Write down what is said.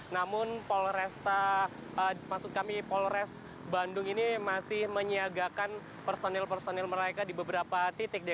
namun polres bandung ini masih menyiagakan personil personil mereka di beberapa titik